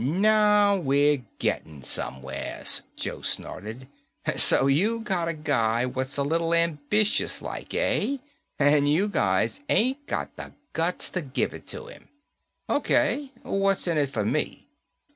"Now we're getting somewheres," Joe snorted. "So you got a guy what's a little ambitious, like, eh? And you guys ain't got the guts to give it to him. O.K. What's in it for me?"